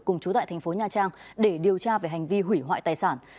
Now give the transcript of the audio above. cùng chú tại thành phố nha trang để điều tra về hành vi hủy hoại tài sản